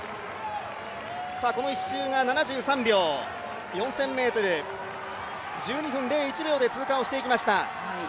この１周が７３秒、４０００ｍ１２分０１秒で通過していきました。